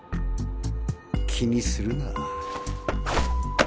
気にするな。